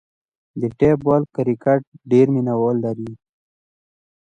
د ټیپ بال کرکټ ډېر مینه وال لري.